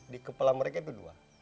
di kepala mereka itu dua